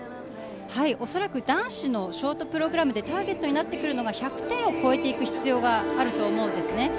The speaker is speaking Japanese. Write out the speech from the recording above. おそらく男子のショートプログラムでターゲットになってくるのが１００点を超えていく必要があると思うんですね。